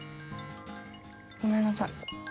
ごめんなさい。